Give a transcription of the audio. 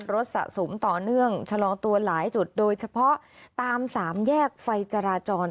สะสมต่อเนื่องชะลอตัวหลายจุดโดยเฉพาะตามสามแยกไฟจราจร